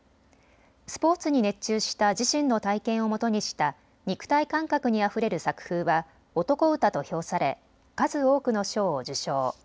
スポーツに熱中した自身の体験をもとにした肉体感覚にあふれる作風は男歌と評され数多くの賞を受賞。